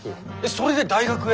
それで大学へ！？